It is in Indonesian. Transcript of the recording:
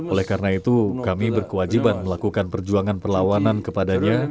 oleh karena itu kami berkewajiban melakukan perjuangan perlawanan kepadanya